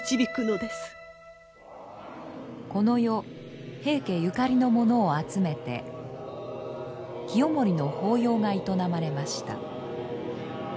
この夜平家ゆかりの者を集めて清盛の法要が営まれました。